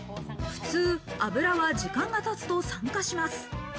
普通、油は時間が経つと酸化します。